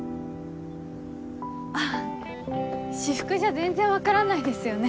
あ私服じゃ全然分からないですよね。